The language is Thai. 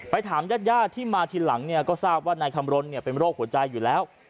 ถามญาติญาติที่มาทีหลังเนี่ยก็ทราบว่านายคำรณเป็นโรคหัวใจอยู่แล้ว